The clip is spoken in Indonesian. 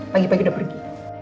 pagi pagi udah pergi